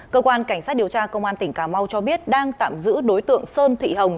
cơ quan cảnh sát điều tra công an tỉnh cà mau cho biết đang tạm giữ đối tượng sơn thị hồng